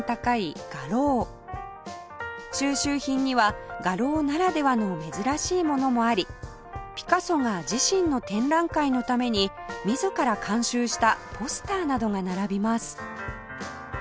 収集品には画廊ならではの珍しいものもありピカソが自身の展覧会のために自ら監修したポスターなどが並びます